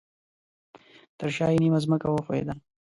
ترشاه یې نیمه ځمکه وښویده